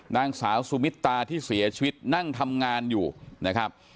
นางสาวสุมิตาที่เสียชีวิตนั่งทำงานอยู่นะครับ